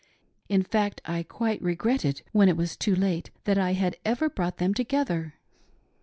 In fact I quite regretted, when it was too late, that I had ever brought them together.